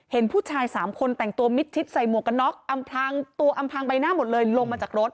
เห็นผู้ชายสามคนแต่งตัวมิดชิดใส่หมวกกันน็อกอำพลางตัวอำพลางใบหน้าหมดเลยลงมาจากรถ